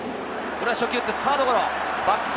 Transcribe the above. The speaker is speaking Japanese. これは初球を打ってサードゴロ。